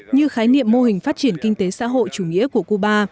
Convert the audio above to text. như khái niệm mô hình phát triển kinh tế xã hội chủ nghĩa của cuba